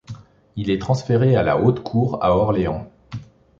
Il est transféré à la Haute Cour à Orléans.